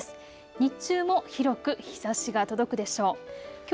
日中も広く日ざしが届くでしょう。